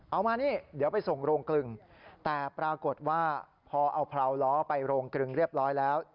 เอามานี่เดี๋ยวไปส่งโรงกลึงแต่ปรากฏว่าพอเอาพราวล้อไปโรงกลึงเรียบร้อยแล้ว